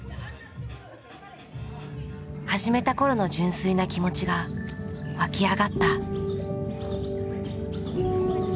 始めた頃の純粋な気持ちが湧き上がった。